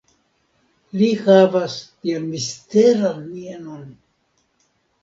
Li havas tian misteran mienon.